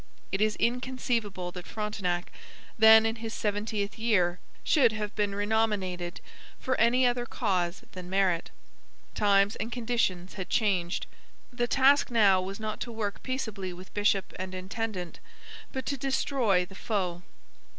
It is inconceivable that Frontenac, then in his seventieth year, should have been renominated for any other cause than merit. Times and conditions had changed. The task now was not to work peaceably with bishop and intendant, but to destroy the foe.